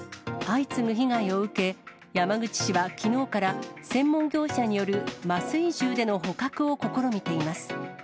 相次ぐ被害を受け、山口市はきのうから、専門業者による麻酔銃での捕獲を試みています。